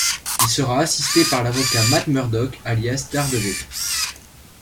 Il sera assisté par l’avocat Matt Murdock alias Daredevil.